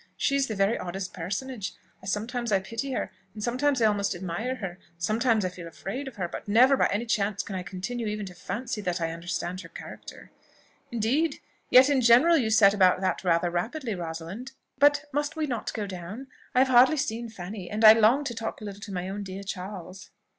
She is the very oddest personage! sometimes I pity her; sometimes I almost admire her; sometimes I feel afraid of her, but never by any chance can I continue even to fancy that I understand her character." "Indeed! Yet in general you set about that rather rapidly, Rosalind. But must we not go down? I have hardly seen Fanny, and I long to talk a little to my own dear Charles."